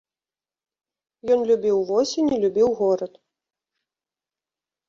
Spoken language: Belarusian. Ён любіў восень і любіў горад.